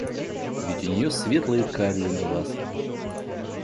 Ведь у нее светлые карие глазки.